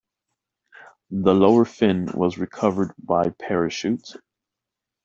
The lower fin was recovered by parachute.